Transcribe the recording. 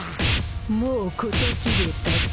もう事切れたか？